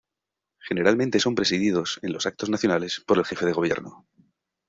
Generalmente son presididos, en los actos nacionales, por el jefe de gobierno.